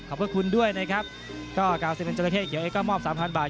ขอบคุณด้วยนะครับก็เก้าสิบหนึ่งเจ้าระเข้เขียวเอก้อมอบสามพันบาท